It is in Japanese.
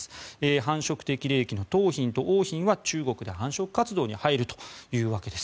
繁殖適齢期の桃浜と桜浜は中国で繁殖活動に入るというわけです。